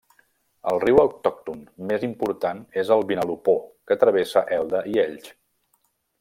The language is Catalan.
El riu autòcton més important és el Vinalopó que travessa Elda i Elx.